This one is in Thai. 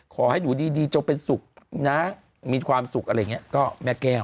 ขอให้หนูดีจงเป็นสุขนะมีความสุขอะไรอย่างนี้ก็แม่แก้ว